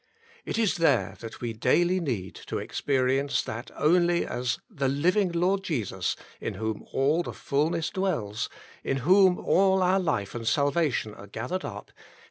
It is there that we daily need to experience that only as the living Lord Jesus "in whom all the fulness dwells," in whom all our life and salvation are gathered up.